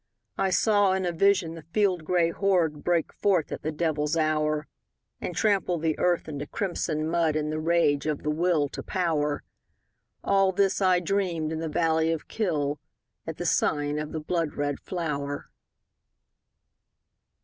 I saw in a vision the field gray horde Break forth at the devil's hour, And trample the earth into crimson mud In the rage of the Will to Power, All this I dreamed in the valley of Kyll, At the sign of the blood red flower.